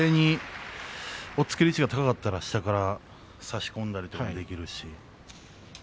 押っつける位置が高かったら下から差し込んだりもできるし。